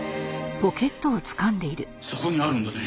そこにあるんだね？